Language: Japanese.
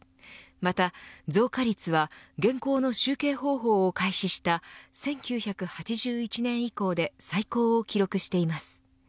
また増加率は現行の集計方法を開始した１９８１年以降で最高を記録しています。